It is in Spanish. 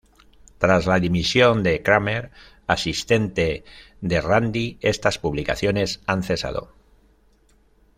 Tras la dimisión de Kramer, asistente de Randi, estas publicaciones han cesado.